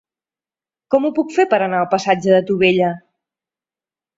Com ho puc fer per anar al passatge de Tubella?